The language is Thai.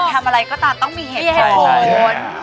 ทำอะไรก็ตามต้องมีเหตุผล